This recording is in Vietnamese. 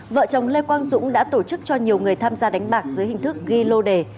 vợ chồng lê quang dũng đã tổ chức cho nhiều người tham gia đánh bạc dưới hình thức ghi lô đề